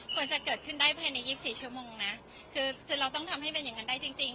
ควรจะเกิดขึ้นได้ภายใน๒๔ชั่วโมงนะคือคือเราต้องทำให้เป็นอย่างนั้นได้จริงจริง